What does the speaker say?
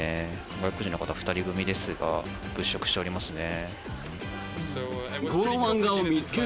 外国人の方、２人組ですが物色しておりますね。